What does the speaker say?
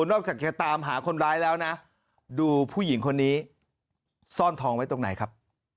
นอกจากจะตามหาคนร้ายแล้วนะดูผู้หญิงคนนี้ซ่อนทองไว้ตรงไหนครับ